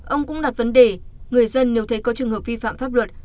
ông cũng đặt vấn đề người dân nếu thấy có trường hợp vi phạm pháp luật